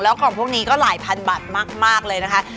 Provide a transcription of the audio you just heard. แล้วของพวกนี้ก็หลายพันบาทมากเลยนะคะ